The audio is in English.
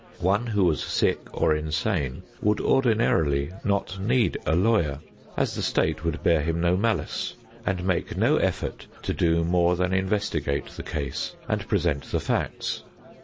One who was sick or insane would ordinarily not need a lawyer, as the state would bear him no malice and make no effort to do more than investigate the case and present the facts.